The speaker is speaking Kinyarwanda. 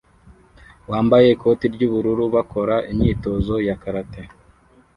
wambaye ikoti ryubururu bakora imyitozo ya karate